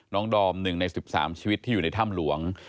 น้องดอมหนึ่งใน๑๓ชีวิตที่อยู่ในถ้ำหลวง